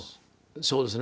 そうですね。